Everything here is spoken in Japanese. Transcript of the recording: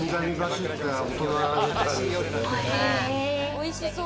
おいしそう。